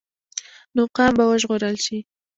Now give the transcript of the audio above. نو قام به وژغورل شي.